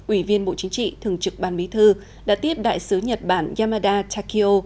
ủy viên bộ chính trị thường trực ban bí thư đã tiếp đại sứ nhật bản yamada takio